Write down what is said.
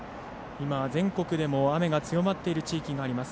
全国でも雨が強まっている地域があります。